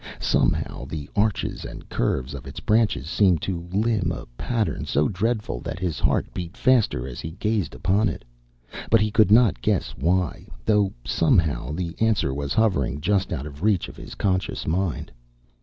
Somehow the arches and curves of its branches seemed to limn a pattern so dreadful that his heart beat faster as he gazed upon it. But he could not guess why, though somehow the answer was hovering just out of reach of his conscious mind.